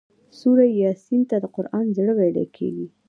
سورة یس ته د قران زړه ويل کيږي